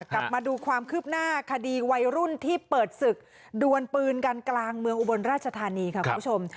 กลับมาดูความคืบหน้าคดีวัยรุ่นที่เปิดศึกดวนปืนกันกลางเมืองอุบลราชธานีค่ะคุณผู้ชม